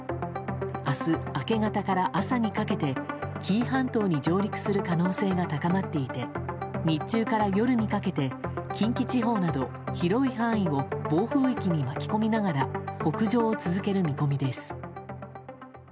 明日、明け方から朝にかけて紀伊半島に上陸する可能性が高まっていて日中から夜にかけて近畿地方など広い範囲を暴風域に巻き込みながら北上を続ける見込みです。